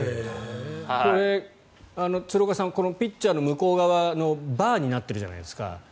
これ、鶴岡さんピッチャーの向こう側バーになっているじゃないですか。